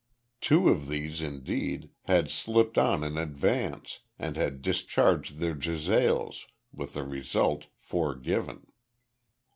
Two of these indeed, had slipped on in advance, and had discharged their jezails, with the result foregiven.